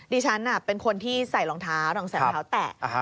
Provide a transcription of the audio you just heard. ดิฉันเป็นคนที่ใส่รองเท้ารองใส่รองเท้าแตะ